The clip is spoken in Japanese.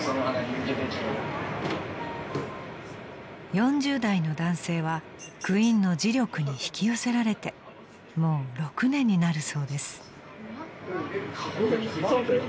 ［４０代の男性はクインの磁力に引き寄せられてもう６年になるそうです］